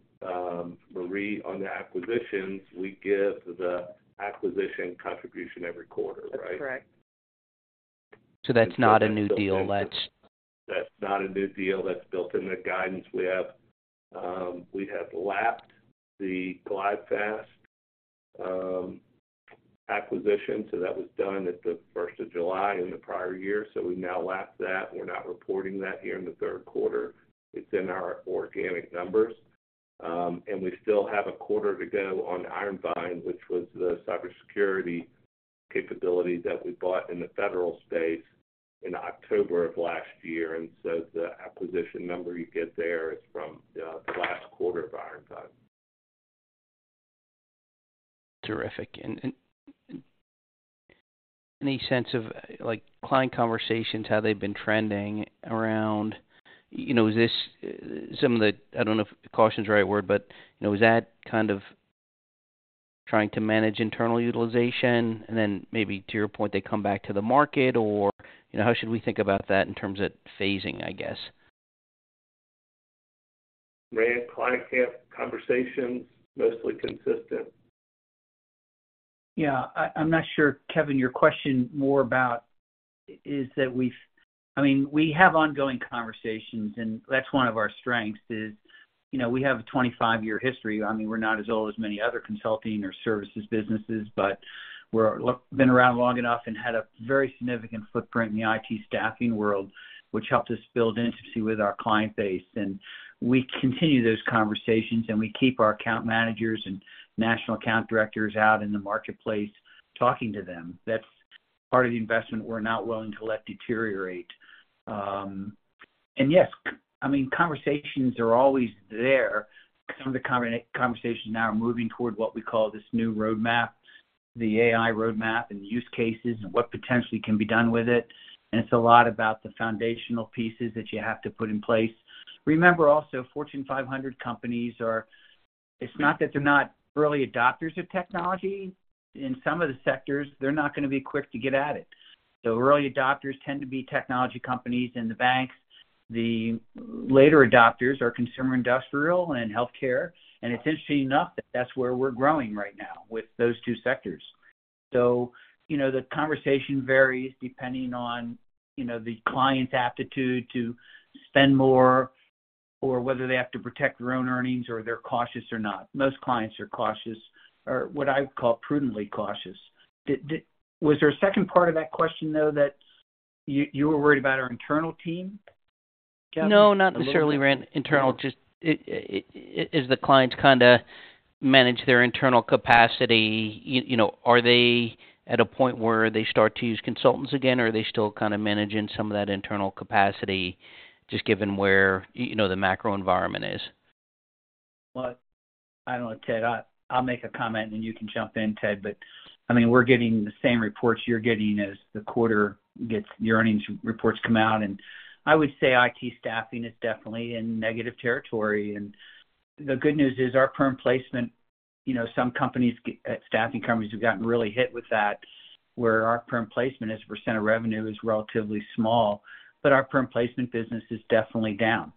Marie, on the acquisitions, we give the acquisition contribution every quarter, right? That's correct. that's not a new deal. That's not a new deal. That's built in the guidance we have. We have lapped the GlideFast acquisition, that was done at the first of July in the prior year. We've now lapped that. We're not reporting that here in the third quarter. It's in our organic numbers. We still have a quarter to go on IronVine, which was the cybersecurity capability that we bought in the federal space in October of last year. The acquisition number you get there is from the last quarter of IronVine. Terrific. Any sense of, like, client conversations, how they've been trending around? You know, is this some of the, I don't know if caution is the right word, but, you know, is that kind of trying to manage internal utilization, and then maybe to your point, they come back to the market, or, you know, how should we think about that in terms of phasing, I guess? Rand, client camp conversations, mostly consistent. Yeah. I'm not sure, Kevin, your question more about is that I mean, we have ongoing conversations, and that's one of our strengths, is, you know, we have a 25-year history. I mean, we're not as old as many other consulting or services businesses, but we're, look, been around long enough and had a very significant footprint in the IT staffing world, which helped us build intimacy with our client base. We continue those conversations, and we keep our account managers and national account directors out in the marketplace talking to them. That's part of the investment we're not willing to let deteriorate. Yes, I mean, conversations are always there. Some of the conversations now are moving toward what we call this new roadmap, the AI roadmap, and use cases and what potentially can be done with it. It's a lot about the foundational pieces that you have to put in place. Remember also, Fortune 500 companies are, it's not that they're not early adopters of technology. In some of the sectors, they're not going to be quick to get at it. The early adopters tend to be technology companies and the banks. The later adopters are consumer, industrial, and healthcare. Interestingly enough, that's where we're growing right now, with those two sectors. You know, the conversation varies depending on, you know, the client's aptitude to spend more or whether they have to protect their own earnings or they're cautious or not. Most clients are cautious, or what I call prudently cautious. Was there a second part of that question, though, that you were worried about our internal team, Kevin? No, not necessarily Rand, internal, just, it, as the clients kind of manage their internal capacity, you know, are they at a point where they start to use consultants again, or are they still kind of managing some of that internal capacity, just given where, you know, the macro environment is? Well, I don't know, Ted. I'll make a comment, and you can jump in, Ted, but, I mean, we're getting the same reports you're getting as the quarter gets, the earnings reports come out. I would say IT staffing is definitely in negative territory. The good news is our perm placement, you know, some companies, staffing companies have gotten really hit with that, where our perm placement as a % of revenue is relatively small, but our perm placement business is definitely down.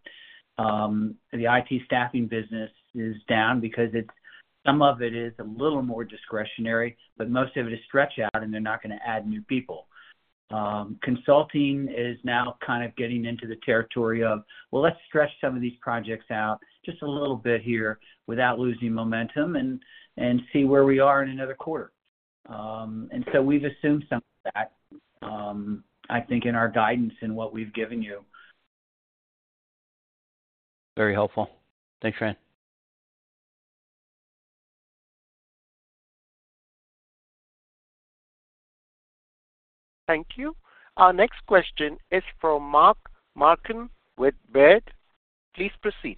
The IT staffing business is down because some of it is a little more discretionary, but most of it is stretch out, and they're not going to add new people. Consulting is now kind of getting into the territory of, well, let's stretch some of these projects out just a little bit here without losing momentum and see where we are in another quarter. We've assumed some of that, I think in our guidance in what we've given you. Very helpful. Thanks, Rand. Thank you. Our next question is from Mark Marcon with Baird. Please proceed.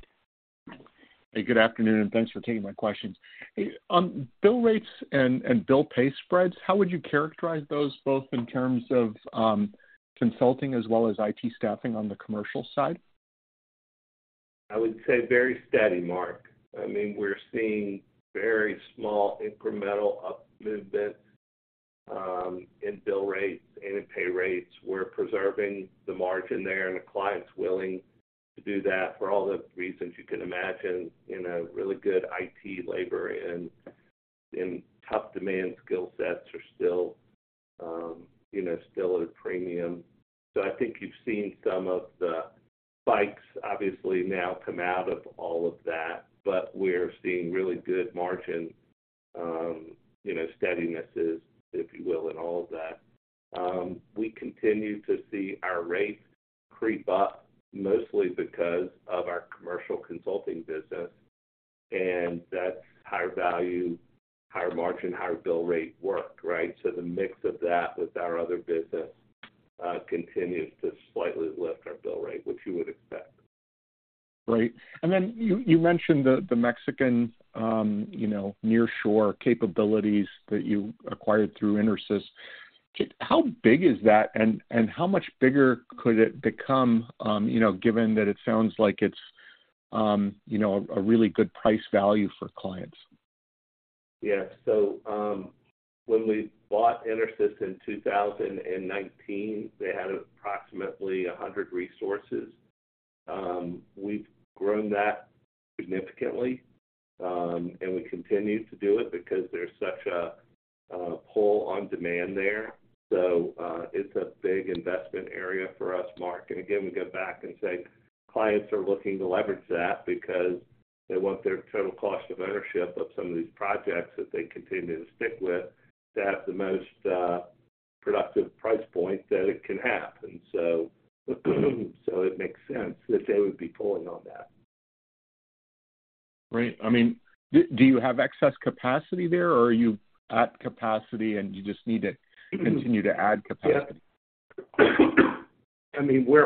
Hey, good afternoon, and thanks for taking my questions. Hey, on bill rates and bill pay spreads, how would you characterize those both in terms of consulting as well as IT staffing on the commercial side? I would say very steady, Mark. I mean, we're seeing very small incremental up movements in bill rates and in pay rates. We're preserving the margin there, and the client's willing to do that for all the reasons you can imagine, you know, really good IT labor and top demand skill sets are still, you know, still at a premium. I think you've seen some of the spikes obviously now come out of all of that, but we're seeing really good margin, you know, steadinesses, if you will, in all of that. We continue to see our rates creep up, mostly because of our commercial consulting business, and that's higher value, higher margin, higher bill rate work, right? The mix of that with our other business continues to slightly lift our bill rate, which you would expect. Great. You mentioned the Mexican, you know, nearshore capabilities that you acquired through Intersys. How big is that, and how much bigger could it become, you know, given that it sounds like it's, you know, a really good price value for clients? Yeah. When we bought Intersys in 2019, they had approximately 100 resources. We've grown that significantly, and we continue to do it because there's such a pull on demand there. It's a big investment area for us, Mark. Again, we go back and say clients are looking to leverage that because they want their total cost of ownership of some of these projects that they continue to stick with, to have the most productive price point that it can happen. It makes sense that they would be pulling on that. I mean, do you have excess capacity there, or are you at capacity, and you just need to continue to add capacity? Yeah. I mean, we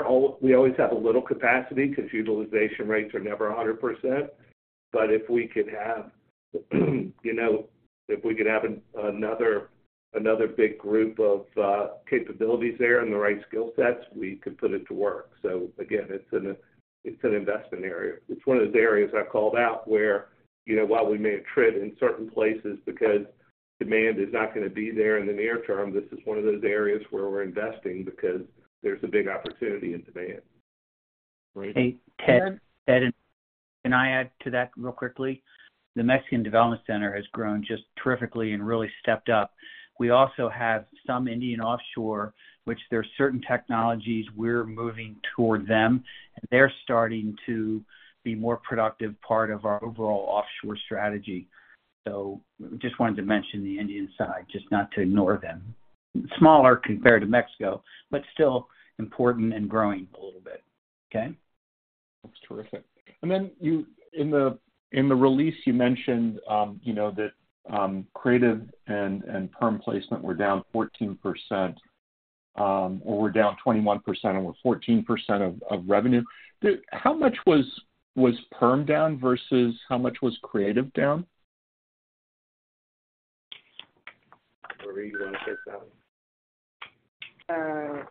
always have a little capacity, because utilization rates are never 100%. If we could have, you know, another big group of capabilities there and the right skill sets, we could put it to work. Again, it's an investment area. It's one of those areas I called out where, you know, while we may have tripped in certain places because demand is not going to be there in the near term, this is one of those areas where we're investing because there's a big opportunity in demand. Hey, Ted, can I add to that real quickly? The Mexican Development Center has grown just terrifically and really stepped up. We also have some Indian offshore, which there are certain technologies we're moving toward them, and they're starting to be more productive part of our overall offshore strategy. Just wanted to mention the Indian side, just not to ignore them. Smaller compared to Mexico, still important and growing a little bit. Okay? That's terrific. Then you, in the, in the release, you mentioned, you know, that creative and perm placement were down 14%, or were down 21%, or were 14% of revenue. How much was perm down versus how much was creative down? Marie, you want to take that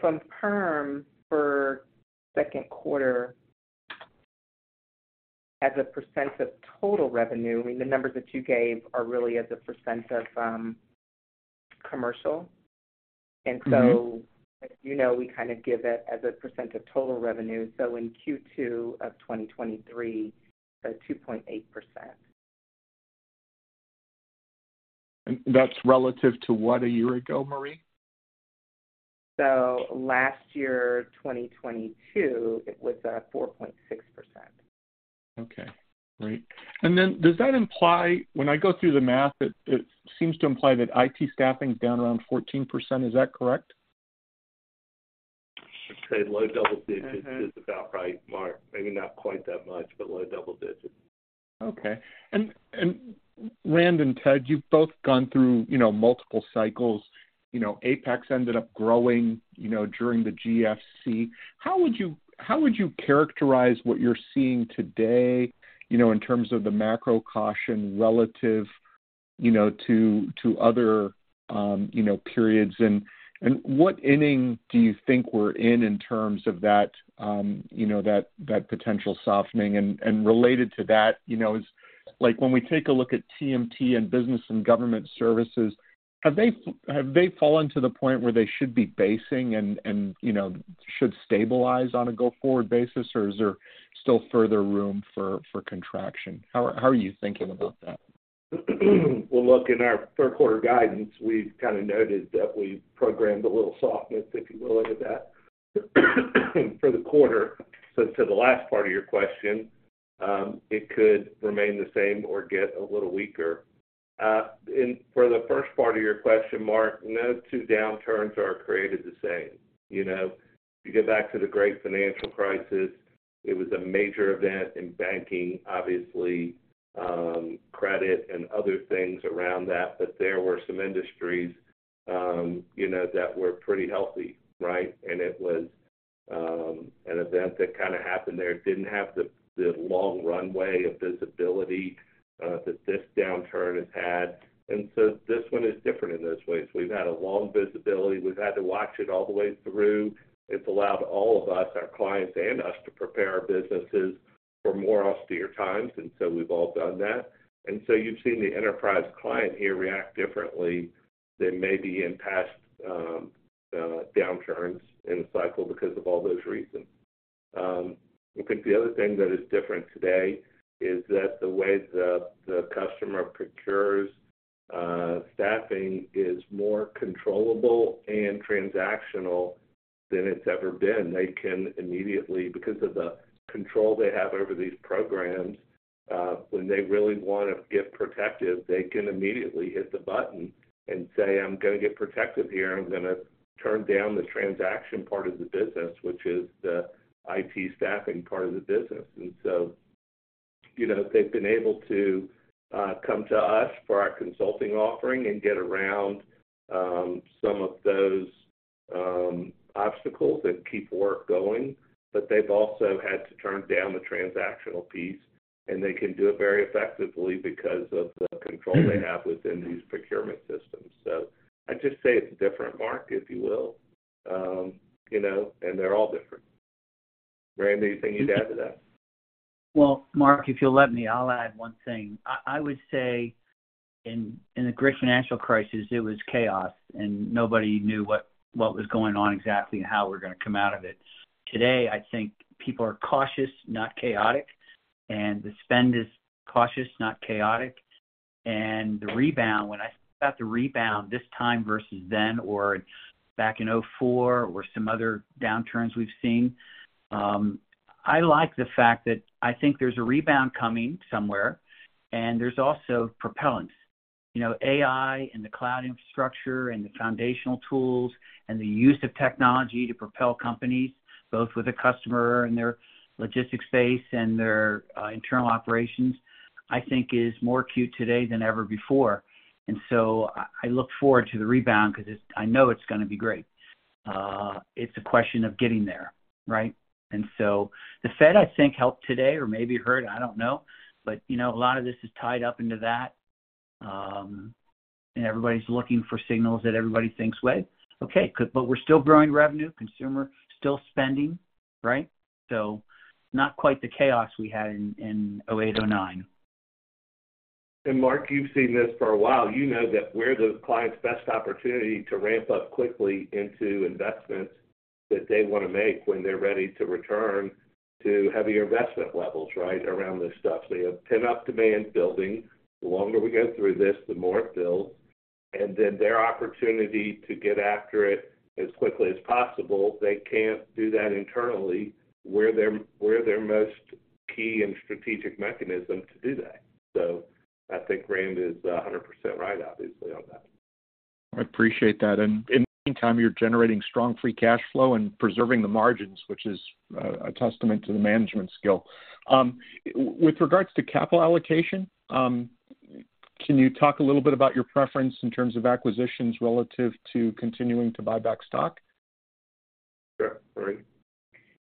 one? From perm for second quarter as a % of total revenue, I mean, the numbers that you gave are really as a % of commercial. As you know, we kind of give it as a percent of total revenue. In Q2 of 2023, 2.8%. That's relative to what a year ago, Marie? So last year, 2022, it was at 4.6%. Okay. Great. Then does that imply when I go through the math, it seems to imply that IT staffing is down around 14%. Is that correct? I'd say low double digits is about right, Mark. Maybe not quite that much, but low double digits. Okay. Rand and Ted, you've both gone through, you know, multiple cycles. You know, Apex ended up growing, you know, during the GFC. How would you characterize what you're seeing today, you know, in terms of the macro caution relative, you know, to other, you know, periods? What inning do you think we're in in terms of that, you know, that potential softening? Related to that, you know, is like when we take a look at TMT and business and government services, have they fallen to the point where they should be basing and, you know, should stabilize on a go-forward basis, or is there still further room for contraction? How are you thinking about that? Well, look, in our third quarter guidance, we've kind of noted that we programmed a little softness, if you will, into that for the quarter. To the last part of your question, it could remain the same or get a little weaker. For the first part of your question, Mark, no two downturns are created the same. You know, you go back to the Great Financial Crisis, it was a major event in banking, obviously, credit and other things around that, but there were some industries, you know, that were pretty healthy, right? It was an event that kind of happened there. It didn't have the long runway of visibility that this downturn has had, this one is different in those ways. We've had a long visibility. We've had to watch it all the way through. It's allowed all of us, our clients and us, to prepare our businesses for more austere times. We've all done that. You've seen the enterprise client here react differently than maybe in past downturns in the cycle because of all those reasons. I think the other thing that is different today is that the way the customer procures staffing is more controllable and transactional than it's ever been. They can immediately, because of the control they have over these programs, when they really want to get protective, they can immediately hit the button and say, "I'm going to get protective here. I'm going to turn down the transaction part of the business," which is the IT staffing part of the business. You know, they've been able to come to us for our consulting offering and get around some of those obstacles and keep work going, but they've also had to turn down the transactional piece, and they can do it very effectively because of the control they have within these procurement systems. I'd just say it's different, Mark, if you will. You know, they're all different. Rand, anything you'd add to that? Well, Mark, if you'll let me, I'll add one thing. I would say in the great financial crisis, it was chaos. Nobody knew what was going on exactly and how we're going to come out of it. Today, I think people are cautious, not chaotic. The spend is cautious, not chaotic. The rebound, when I think about the rebound this time versus then or back in 2004 or some other downturns we've seen, I like the fact that I think there's a rebound coming somewhere, and there's also propellants. You know, AI and the cloud infrastructure and the foundational tools and the use of technology to propel companies, both with the customer and their logistics space and their internal operations, I think is more acute today than ever before. I look forward to the rebound because I know it's going to be great. It's a question of getting there, right? The Fed, I think, helped today or maybe hurt, I don't know. You know, a lot of this is tied up into that, and everybody's looking for signals that everybody thinks, "Wait, okay, good, but we're still growing revenue, consumer still spending," right? Not quite the chaos we had in 2008, 2009. Mark, you've seen this for a while. You know that we're the client's best opportunity to ramp up quickly into investments that they want to make when they're ready to return to heavier investment levels, right? Around this stuff. You have pent-up demand building. The longer we go through this, the more it builds, their opportunity to get after it as quickly as possible, they can't do that internally, we're their most key and strategic mechanism to do that. I think Rand is 100% right, obviously, on that. I appreciate that. In the meantime, you're generating strong free cash flow and preserving the margins, which is a testament to the management skill. With regards to capital allocation, can you talk a little bit about your preference in terms of acquisitions relative to continuing to buy back stock? Sure, Marie.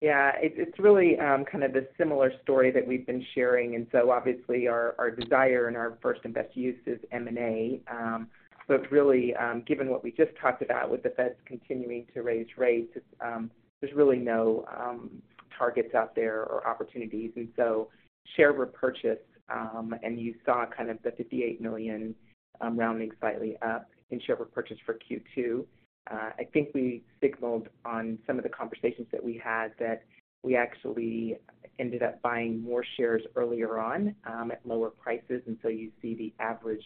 Yeah, it's really, kind of a similar story that we've been sharing. Obviously our desire and our first and best use is M&A. It's really, given what we just talked about, with the Feds continuing to raise rates, there's really no targets out there or opportunities. Share repurchase, and you saw kind of the $58 million, rounding slightly up in share repurchase for Q2. I think we signaled on some of the conversations that we had that we actually ended up buying more shares earlier on, at lower prices. You see the average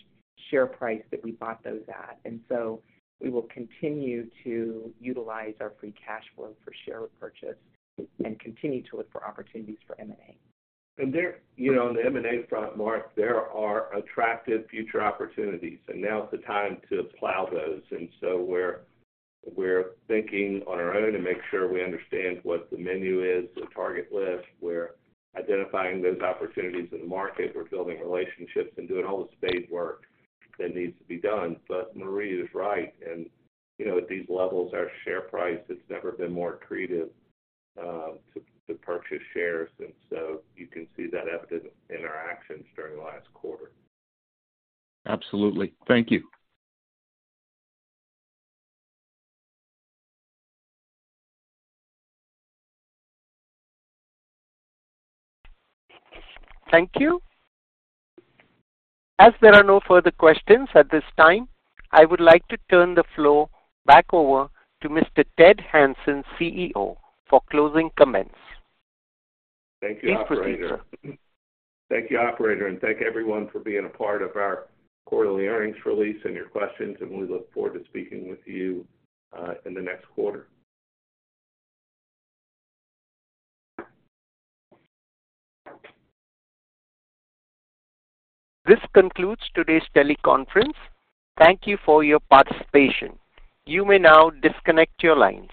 share price that we bought those at. We will continue to utilize our free cash flow for share repurchase and continue to look for opportunities for M&A. There, you know, on the M&A front, Mark, there are attractive future opportunities, and now is the time to plow those. We're thinking on our own to make sure we understand what the menu is, the target list. We're identifying those opportunities in the market. We're building relationships and doing all the spade work that needs to be done. Marie is right, and you know, at these levels, our share price, it's never been more accretive to purchase shares. You can see that evident in our actions during the last quarter. Absolutely. Thank you. Thank you. As there are no further questions at this time, I would like to turn the floor back over to Mr. Ted Hanson, CEO, for closing comments. Thank you, Operator. Thanks for the future. Thank you, Operator, thank everyone for being a part of our quarterly earnings release and your questions. We look forward to speaking with you in the next quarter. This concludes today's teleconference. Thank you for your participation. You may now disconnect your lines.